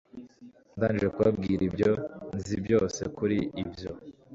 Ndangije kubabwira ibyo nzi byose kuri ibyo